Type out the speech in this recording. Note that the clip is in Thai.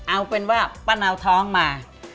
เอาเป็นว่าป้าเนาท้องมา